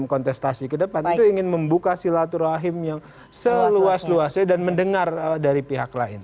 contestasi kedepan itu ingin membuka silaturahim yang seluas luasnya dan mendengar dari pihak lain